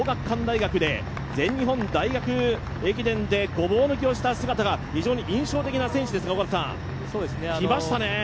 全日本大学駅伝でごぼう抜きをした姿が非常に印象的な選手ですが、来ましたね。